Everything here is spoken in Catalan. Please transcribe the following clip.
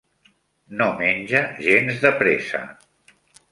No menja gens de pressa.